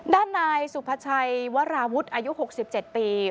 ด้านนายสุภาชัยวราวุฒิอายุ๖๗ปี